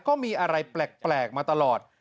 ก็มีอะไรแปลกมาตลอด